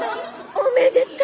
おめでとう。